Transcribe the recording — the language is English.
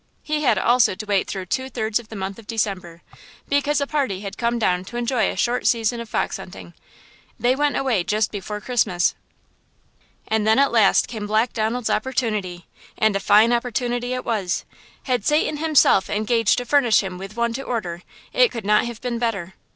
He had also to wait through two thirds of the month of December, because a party had come down to enjoy a short season of fox hunting. They went away just before Christmas. And then at last came Black Donald's opportunity! And a fine opportunity it was! Had Satan himself engaged to furnish him with one to order, it could not have been better!